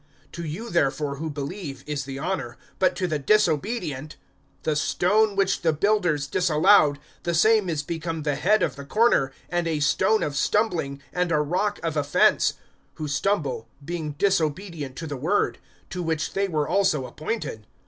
(7)To you therefore who believe is the honor; but to the disobedient, the stone which the builders disallowed, the same is become the head of the corner, (8)and a stone of stumbling, and a rock of offense, who stumble, being disobedient to the word; to which they were also appointed.